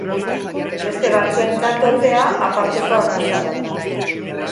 Beste batzuentzat ordea aparteko arraza bat da.